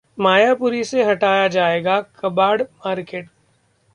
मायापुरी से हटाया जाएगा कबाड़ मार्केट